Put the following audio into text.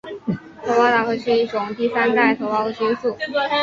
头孢达肟是一种第三代头孢菌素。